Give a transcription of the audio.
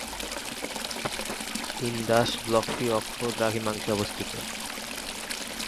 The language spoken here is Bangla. ইন্দাস ব্লকটি অক্ষ-দ্রাঘিমাংশে অবস্থিত।